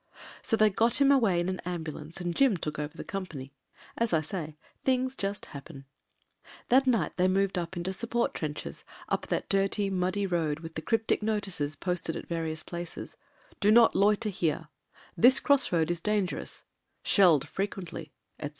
So they got him away in an ambulance and Jim took over the .company. As I say — things just happen. NO ANSWER 301 That night they moved up into support trenches — ^up that dirty, muddy road with the cr)rptic notices posted at various places : "Do not loiter here," "This cross road is dangerous," "Shelled frequently," etc.